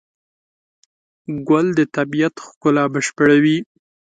ګل د طبیعت ښکلا بشپړوي.